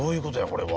これは。